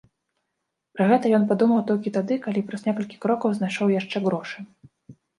Пра гэта ён падумаў толькі тады, калі праз некалькі крокаў знайшоў яшчэ грошы.